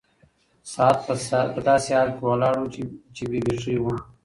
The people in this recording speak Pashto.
ساعت په داسې حال کې ولاړ و چې بې بيټرۍ و.